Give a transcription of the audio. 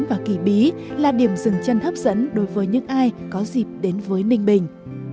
và kỳ bí là điểm dừng chân hấp dẫn đối với những ai có dịp đến với ninh bình